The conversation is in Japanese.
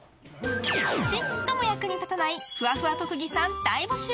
ちっとも役に立たないふわふわ特技さん大募集。